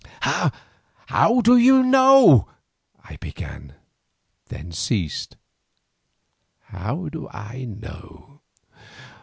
"How do you know?" I began—then ceased. "How do I know?